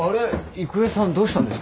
育江さんどうしたんですか？